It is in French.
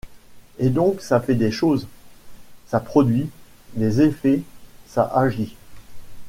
Et donc ça fait des choses, ça produit, des effets, ça agit.